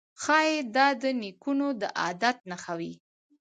ښايي دا د نیکونو د عبادت نښه وي